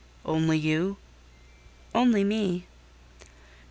"Only you?" "Only me."